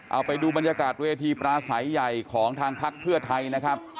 เอาไปดูบรรยากาศเวทีปราศัยใหญ่ของทางพักเพื่อไทยนะครับ